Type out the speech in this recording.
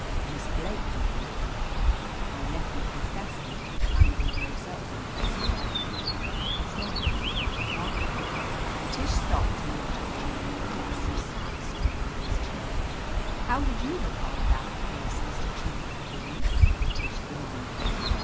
Miss Blake had been there. My nephew confessed later to finding a rosette from her slipper there. Again — ^why?" Tish stopped and looked at the Chief of Police, who sat stroking his chin. "How would you have gone about the case, Mr. Chief of Police?" Tish demanded.